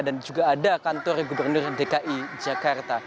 dan juga ada kantor gubernur dki jakarta